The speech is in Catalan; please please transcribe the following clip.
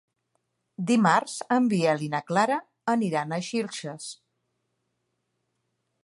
Dimarts en Biel i na Clara aniran a Xilxes.